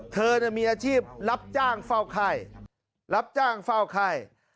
เธอมีอาชีพรับจ้างเฝ้าไข้รับจ้างเฝ้าไข้